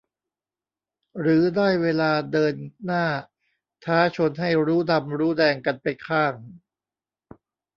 หรือได้เวลาเดินหน้าท้าชนให้รู้ดำรู้แดงกันไปข้าง